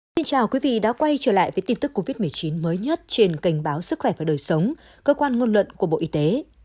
xin chào quý vị đã quay trở lại với tin tức covid một mươi chín mới nhất trên kênh báo sức khỏe và đời sống cơ quan ngôn luận của bộ y tế